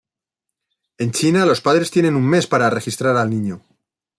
En China, los padres tienen un mes para registrar al niño.